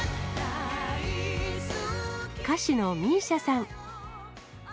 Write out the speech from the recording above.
歌手のＭＩＳＩＡさん。